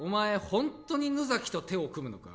本当に野崎と手を組むのか？